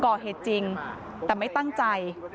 ก่อเหตุจริงแต่ไม่ตั้งใจ